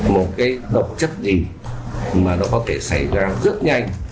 một cái độc chất gì mà nó có thể xảy ra rất nhanh